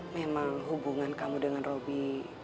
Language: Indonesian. memang hubungan kamu dengan roby